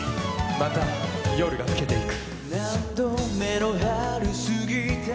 「また夜がふけていく」